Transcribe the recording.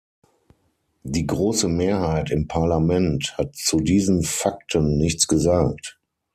Die große Mehrheit im Parlament hat zu diesen Fakten nichts gesagt.